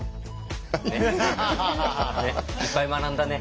いっぱい学んだね。